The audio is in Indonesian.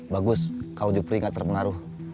bagus kalau jupri nggak terpengaruh